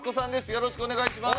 よろしくお願いします。